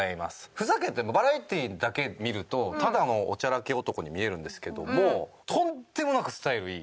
ふざけてるバラエティーだけ見るとただのおちゃらけ男に見えるんですけどもとんでもなくスタイルいい。